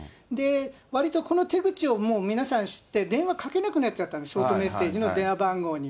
わりとこの手口をもう皆さん知って、電話掛けなくなっちゃったんです、ショートメッセージの電話番号に。